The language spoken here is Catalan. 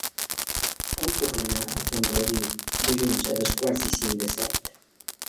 Com puc anar a Font-rubí dilluns a dos quarts i cinc de set?